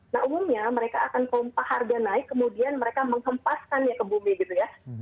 nah umumnya mereka akan pompa harga naik kemudian mereka menghempaskannya ke bumi gitu ya